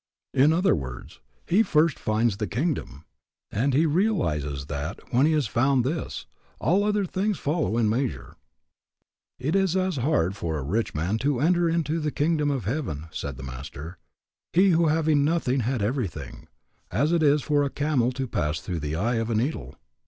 In other words, he first finds the kingdom, and he realizes that when he has found this, all other things follow in full measure. It is as hard for a rich man to enter into the kingdom of heaven, said the Master, he who having nothing had everything, as it is for a camel to pass through the eye of a needle.